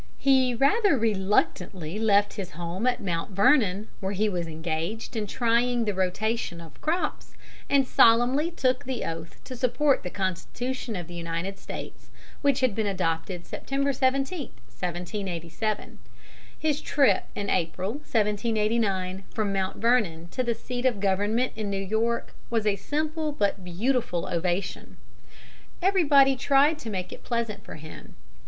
He rather reluctantly left his home at Mount Vernon, where he was engaged in trying the rotation of crops, and solemnly took the oath to support the Constitution of the United States, which had been adopted September 17, 1787. His trip in April, 1789, from Mount Vernon to the seat of government in New York was a simple but beautiful ovation. Everybody tried to make it pleasant for him.